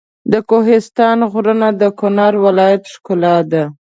د کوهستان غرونه د کنړ ولایت ښکلا ده.